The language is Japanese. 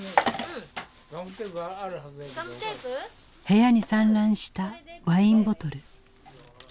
部屋に散乱したワインボトル。